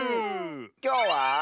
きょうは。